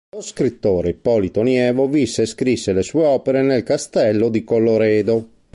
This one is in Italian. Lo scrittore Ippolito Nievo visse e scrisse le sue opere nel castello di Colloredo.